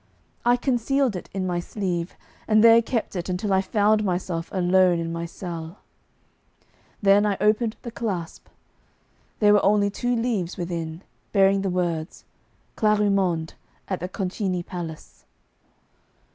I concealed it in my sleeve, and there kept it until I found myself alone in my cell. Then I opened the clasp. There were only two leaves within, bearing the words, 'Clarimonde. At the Concini Palace.